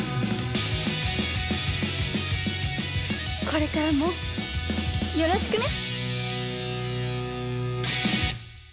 これからもよろしくね。